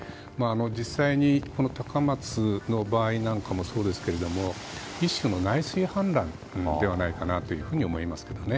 実際に高松の場合なんかもそうですけれども一種の内水氾濫ではないかと思いますけどね。